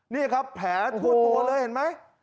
นี่ครับแผลทั่วตัวเลยเห็นไหม